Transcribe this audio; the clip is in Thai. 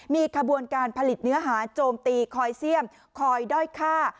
มีขบวนการผลิตเนื้อหาโจมตีคอยเสี่ยมคอยด้อยฆ่า